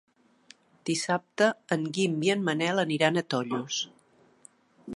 Dissabte en Guim i en Manel aniran a Tollos.